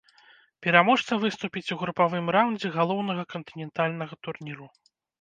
Пераможца выступіць у групавым раўндзе галоўнага кантынентальнага турніру.